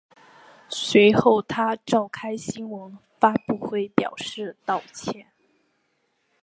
随后他召开新闻发布会表示道歉。